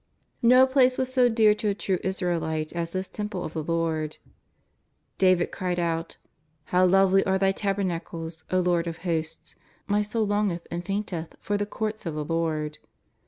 'No place was so dear to a true Israelite as this Temple of the Lord. David cried out: ^' How lovely are Thy tabernacles, O Lord of Hosts, my soul longeth and fainteth for the Courts of the Lord.''